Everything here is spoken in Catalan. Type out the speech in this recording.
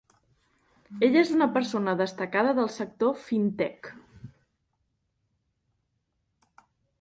Ella és una persona destacada del sector Fintech.